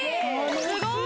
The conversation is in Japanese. ・すごい！